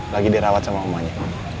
lagi dirawat sama omonya